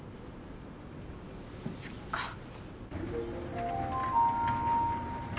そっか。